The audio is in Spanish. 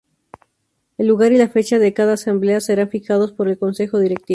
El lugar y la fecha de cada Asamblea serán fijados por el Consejo Directivo.